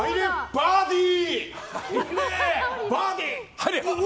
バーディー！